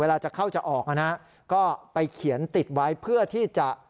จะเข้าจะออกนะฮะก็ไปเขียนติดไว้เพื่อที่จะ